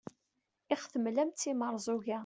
i aɣ-temlam d timerẓuga